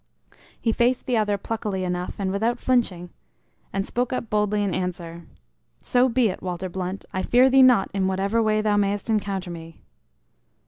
He faced the other pluckily enough and without flinching, and spoke up boldly in answer. "So be it, Walter Blunt; I fear thee not in whatever way thou mayst encounter me."